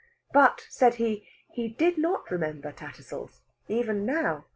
But, said he, he did not remember Tattersall's even now.